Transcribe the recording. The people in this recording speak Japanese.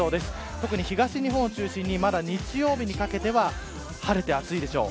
特に東日本を中心にまだ日曜日にかけては晴れて暑いでしょう。